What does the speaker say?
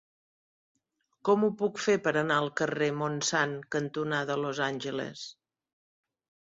Com ho puc fer per anar al carrer Montsant cantonada Los Angeles?